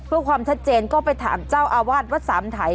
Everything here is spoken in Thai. เพื่อความชัดเจนก็ไปถามเจ้าอาวาสวัดสามไถ